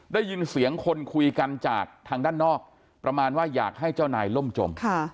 ได้ยินเสียงคนคุยกันจากทางด้านนอกประมาณว่าอยากให้เจ้านายล่มจม